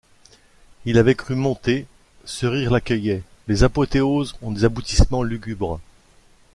Il avait cru monter, ce rire l’accueillait ; les apothéoses ont des aboutissements lugubres.